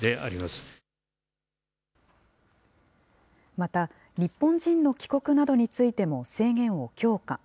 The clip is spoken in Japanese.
また、日本人の帰国などについても制限を強化。